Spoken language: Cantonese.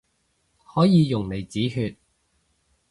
可以用嚟止血